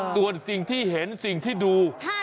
ส่วนสิ่งที่เห็นสิ่งที่ดู